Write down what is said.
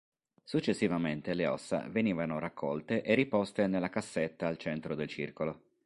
Successivamente le ossa venivano raccolte e riposte nella cassetta al centro del circolo.